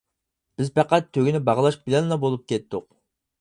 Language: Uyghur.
بىز پەقەت تۆگىنى باغلاش بىلەنلا بولۇپ كەتتۇق.